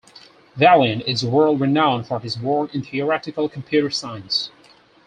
Valiant is world-renowned for his work in theoretical computer science.